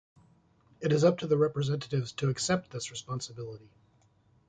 It is up to the Representatives to accept this responsibility.